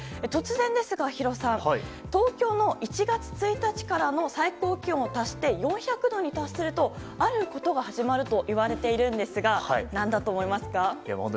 突然ですが弘さん、東京の１月１日からの最高気温を足して４００度に達するとあることが始まると言われているんですが何だと思いますか？